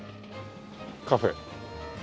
カフェ。